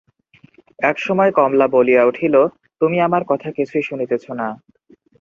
এক সময়ে কমলা বলিয়া উঠিল, তুমি আমার কথা কিছুই শুনিতেছ না।